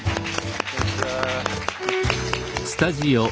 こんにちは。